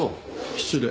失礼。